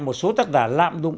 một số tác giả lạm dụng